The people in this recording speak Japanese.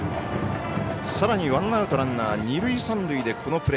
さらにワンアウト、ランナー二塁三塁。